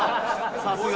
さすが。